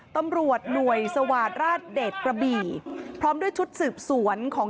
ตำรวจหน่วยสวาสราชเดชกระบี่พร้อมด้วยชุดสืบสวนของ